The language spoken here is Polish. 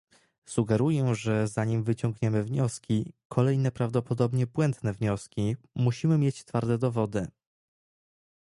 Sugeruję, że zanim wyciągniemy wnioski, kolejne prawdopodobnie błędne wnioski, musimy mieć twarde dowody